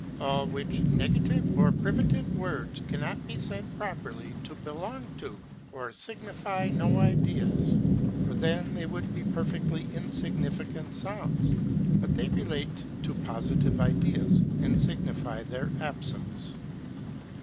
All which negative or privative words cannot be said properly to belong to, or signify no ideas: for then they would be perfectly insignificant sounds; but they relate to positive ideas, and signify their absence.